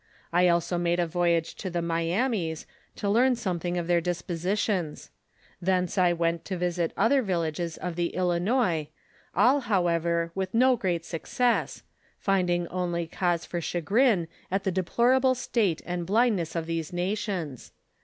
I also made a voyage to the My amis to learn something of their dispositions ; thence I went to visit other villages of the Ilinois all, however, with no great success, finding only cause for chagrin at the deplorable state and blindness of these nations.